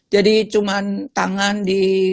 jadi cuma tangan di